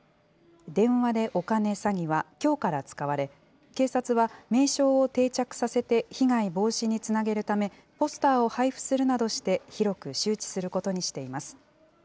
電話でお金詐欺はきょうから使われ、警察は名称を定着させて、被害防止につなげるため、ポスターを配布するなどして、広く周知することにしています。